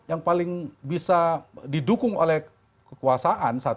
yang paling bisa didukung oleh kekuasaan